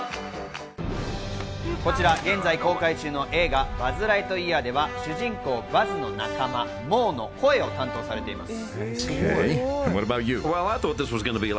さらに、こちら現在公開中の映画『バズ・ライトイヤー』では主人公・バズの仲間、モーの声を担当されています。